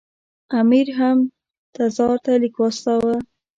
امیر هم تزار ته لیک واستاوه.